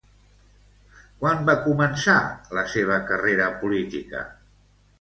Quan va començar la seva carrera política?